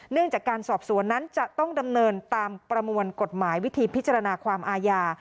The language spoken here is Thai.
จากการสอบสวนนั้นจะต้องดำเนินตามประมวลกฎหมายวิธีพิจารณาความอาญา